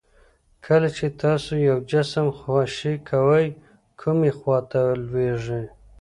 کله چې تاسو یو جسم خوشې کوئ کومې خواته لویږي؟